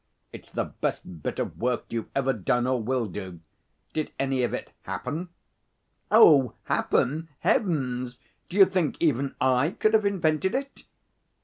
'It's the best bit of work you've ever done or will do. Did any of it happen?' 'Happen? Heavens! D'you think even I could have invented it?'